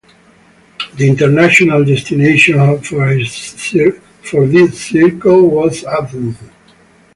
The international destination for this cycle was Athens.